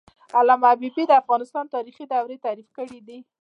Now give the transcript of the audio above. علامه حبيبي د افغانستان د تاریخ دورې تعریف کړې دي.